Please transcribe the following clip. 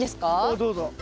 どうぞ。